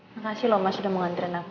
makasih loh masih mau ngerenak